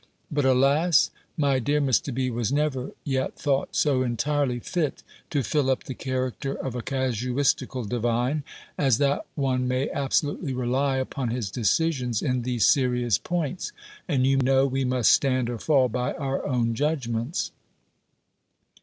But alas! my dear Mr. B. was never yet thought so entirely fit to fill up the character of a casuistical divine, as that one may absolutely rely upon his decisions in these serious points: and you know we must stand or fall by our own judgments.